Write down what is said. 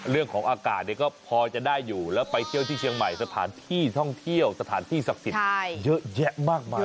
เรื่องของอากาศเนี่ยก็พอจะได้อยู่แล้วไปเที่ยวที่เชียงใหม่สถานที่ท่องเที่ยวสถานที่ศักดิ์สิทธิ์เยอะแยะมากมาย